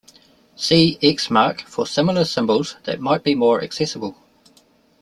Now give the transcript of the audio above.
See X mark for similar symbols that might be more accessible.